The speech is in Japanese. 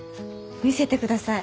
見せてください。